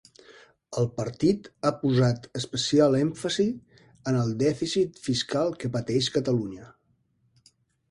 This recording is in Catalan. El partit ha posat especial èmfasi en el dèficit fiscal que pateix Catalunya.